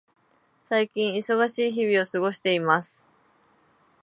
最近、忙しい日々を過ごしています。